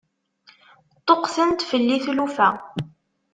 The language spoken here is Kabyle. Ṭṭuqqtent fell-i tlufa.